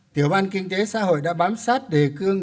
tiểu ban kinh tế xã hội đã bám sát đề cương